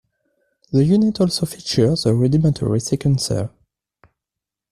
The unit also features a rudimentary sequencer.